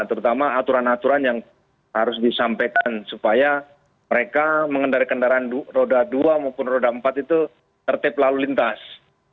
terutama aturan aturan yang harus disampaikan supaya mereka mengendari kendaraan roda dua maupun roda empat itu tertip lalu lintas